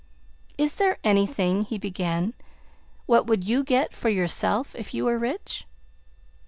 "Is there anything " he began. "What would you get for yourself, if you were rich?"